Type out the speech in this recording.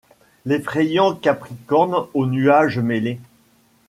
L’effrayant capricorne aux nuages mêlé